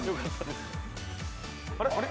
あれ？